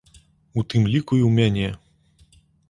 У тым ліку і ў мяне.